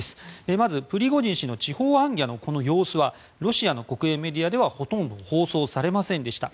まずプリゴジン氏の地方行脚のこの様子はロシアの国営メディアではほとんど放送されませんでした。